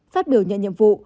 phát biểu nhận nhiệm vụ